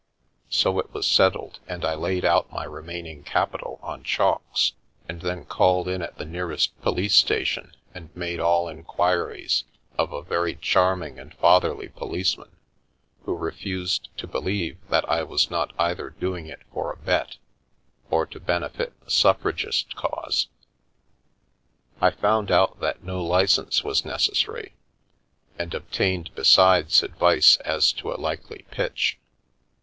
So it was settled and I laid out my remaining capital on chalks, and then called in at the nearest police sta tion, and made all inquiries of a very charming and fath erly policeman, who refused to believe that I was not either doing it for a bet or to benefit the suffragist cause. I found out that no licence was necessary, and obtained besides advice as to a likely "pitch."